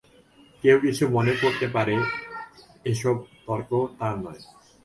কেউ কিছু মনে করতে পারে এ-সব তর্ক তাঁর নয়।